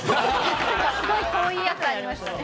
すごい遠いやつありましたね。